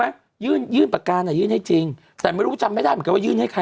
มันเหมือนเป็นการยอมเขาแล้วว่า